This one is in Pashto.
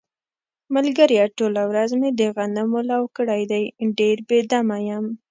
ملگریه ټوله ورځ مې د غنمو لو کړی دی، ډېر بې دمه یم.